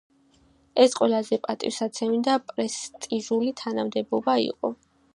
ეს ყველაზე პატივსაცემი და პრესტიჟული თანამდებობა იყო.